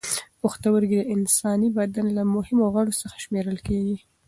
پښتورګي د انساني بدن له مهمو غړو څخه شمېرل کېږي.